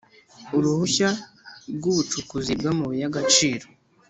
Uruhushya rw ubucukuzi bw amabuye y agaciro